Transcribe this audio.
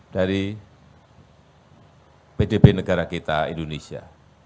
dari pdb negara kita indonesia